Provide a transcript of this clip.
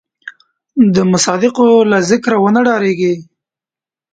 د مصادقو له ذکره ونه ډارېږي.